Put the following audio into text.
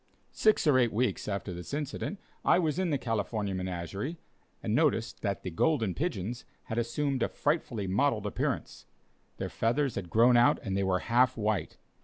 Six or eight weeks after this incident, I was in the California Menagerie, and noticed that the "Golden Pigeons" had assumed a frightfully mottled appearance. Their feathers had grown out and they were half white.